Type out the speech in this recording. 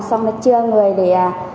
xong rồi chưa người để